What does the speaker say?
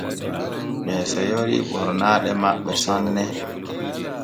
Ɓee seyori ɓornaaɗe maɓɓe sanne.